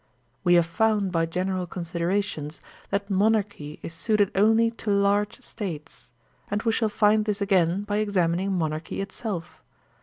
* We have found, by general considerations, that mon archy is suited only to large States; and we shall find this again by examining monarchy itself.